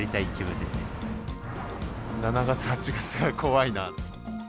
７月、８月が怖いな。